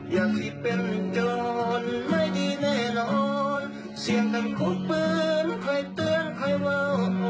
อยากที่เป็นเจ้าไม่ดีแน่นอนเสียงทั้งควบปืนไข่เตือนไข่เว้า